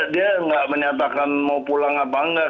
dia nggak menyatakan mau pulang apa enggak